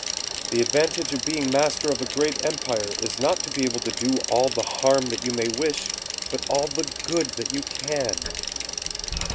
The advantage of being master of a great empire is not to be able to do all the harm that you may wish, but all the good that you can."